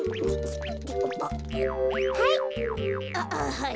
はい。